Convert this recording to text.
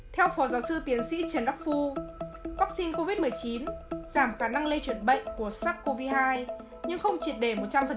theo phó giáo sư tiến sĩ trần đắc phu vaccine covid một mươi chín giảm khả năng lây chuyển bệnh của sars cov hai nhưng không triệt đề một trăm linh